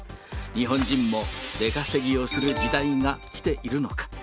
日本人も出稼ぎをする時代が来ているのか。